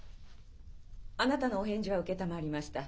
あなたのお返事は承りました。